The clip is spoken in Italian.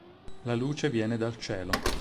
La luce viene dal cielo".